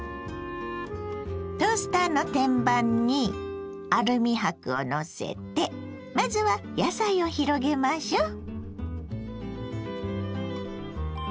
トースターの天板にアルミ箔をのせてまずは野菜を広げましょう。